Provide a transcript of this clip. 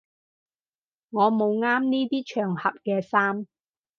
我冇啱呢啲場合嘅衫